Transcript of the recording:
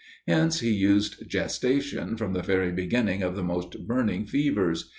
Hence he used gestation from the very beginning of the most burning fevers.